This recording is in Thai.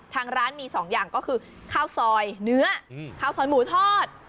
ทางร้านมี๒อย่างก็คือข้าวซอยเนื้อข้าวซอยหมูทอด